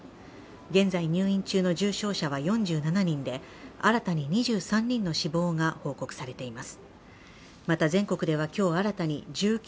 現在入院中の重症者は４７人で新たに２３人の死亡が報告されています。